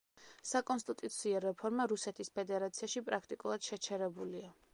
საკონსტიტუციო რეფორმა რუსეთის ფედერაციაში პრაქტიკულად შეჩერებულია.